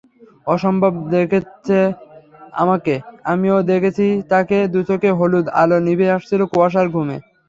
অসম্ভব দেখেছে আমাকে, আমিও দেখেছি তাকে—দুচোখে হলুদ আলো নিভে আসছিল কুয়াশার ঘুমে।